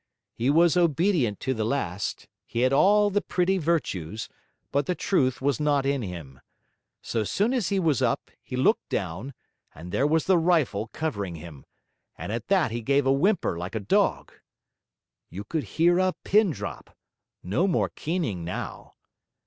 He was obedient to the last; he had all the pretty virtues, but the truth was not in him. So soon as he was up, he looked down, and there was the rifle covering him; and at that he gave a whimper like a dog. You could bear a pin drop; no more keening now.